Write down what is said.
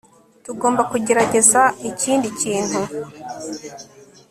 tugomba kugerageza ikindi kintu